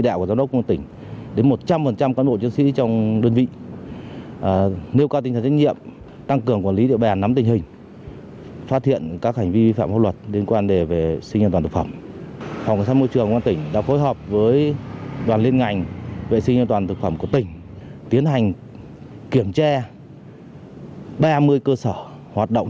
đoàn liên ngành vệ sinh và toàn thực phẩm của tỉnh tiến hành kiểm tra ba mươi cơ sở hoạt động